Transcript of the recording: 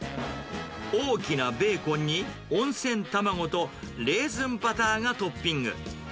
大きなベーコンに温泉卵とレーズンバターがトッピング。